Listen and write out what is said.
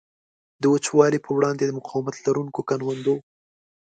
د وچوالي په وړاندې د مقاومت لرونکو کروندو.